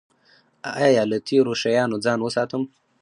ایا له تیرو شیانو ځان وساتم؟